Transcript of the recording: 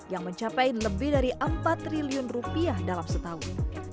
yang mencapai lebih dari rp empat triliun dalam setahun